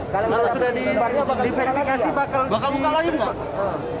kalau sudah diperifikasi bakal buka lagi